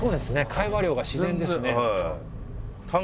会話量が自然ですね。